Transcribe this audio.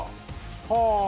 はあ。